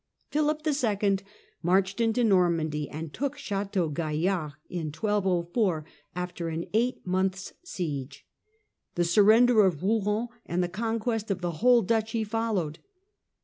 Philip II. marched into Normandy and took Chateau Gaillard in 1204, after an eight months' siege. The surrender of Eouen and the conquest of the whole duchy followed.